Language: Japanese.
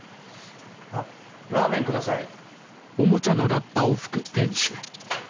あっラーメン下さい。